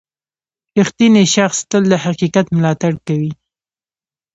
• رښتینی شخص تل د حقیقت ملاتړ کوي.